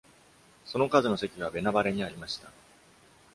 その数の席は、ベナバレにありました。